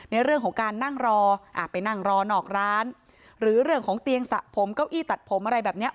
ในเรื่องของการนั่งรอไปนั่งรอนอกร้านหรือเรื่องของเตียงสระผมเก้าอี้ตัดผมอะไรแบบเนี้ย